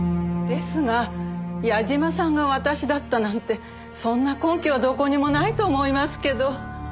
ですが矢嶋さんが私だったなんてそんな根拠はどこにもないと思いますけど。